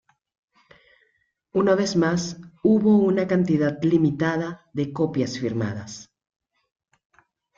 Una vez más, hubo una cantidad limitada de copias firmadas.